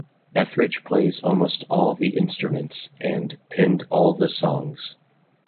Etheridge plays almost all the instruments and penned all the songs.